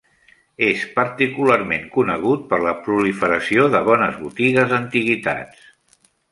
És particularment conegut per la proliferació de bones botigues d'antiguitats.